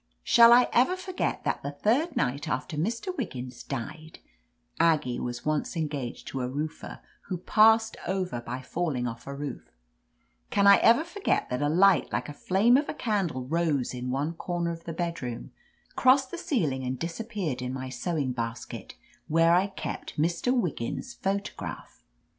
Shall I ever 31 THE AMAZING ADVENTURES forget that the third night after Mr. Wiggins died —" Aggie was once engaged to a roofer, who ^passed over' by falling off a roof — "can I ever forget that a light like a flame of a candle rose in one comer of the bedroom, crossed the ceiling and disappeared in my sew ing basket, where I kept Mr. Wiggins' photo graph?